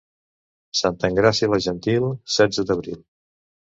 Santa Engràcia la gentil, setze d'abril.